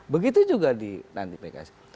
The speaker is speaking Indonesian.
begitu juga di nanti pks